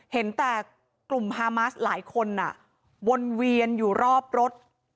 เห็นแต่กลุ่มฮามัสหลายคนวนเวียนอยู่รอบรถ